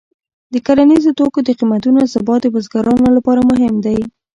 د کرنیزو توکو د قیمتونو ثبات د بزګرانو لپاره مهم دی.